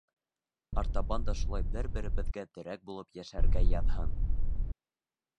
Артабан да шулай бер-беребеҙгә терәк булып йәшәргә яҙһын.